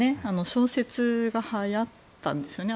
小説がはやったんですよね